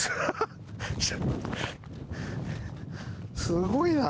すごいな。